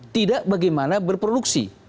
tidak bagaimana berproduksi